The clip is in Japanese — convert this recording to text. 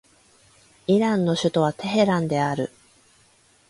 イランの首都はテヘランである